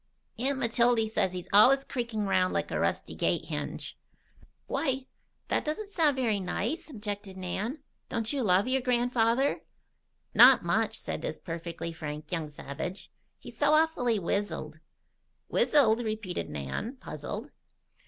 "Aunt Matildy says he's allus creakin' round like a rusty gate hinge." "Why! That doesn't sound very nice," objected Nan. "Don't you love your grandfather?" "Not much," said this perfectly frank young savage. "He's so awfully wizzled." "'Wizzled'?" repeated Nan, puzzled.